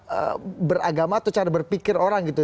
cara beragama atau cara berpikir orang